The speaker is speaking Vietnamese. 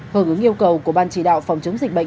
hợp ứng yêu cầu của ban chỉ đạo phòng chống dịch bệnh